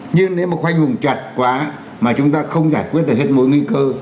nhưng nếu mà khoanh vùng chặt quá mà chúng ta không giải quyết được hết mối nguy cơ